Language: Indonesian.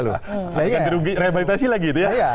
bukan dirubik revalidasi lagi itu ya